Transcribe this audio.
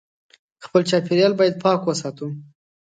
خپل چاپېریال باید پاک وساتو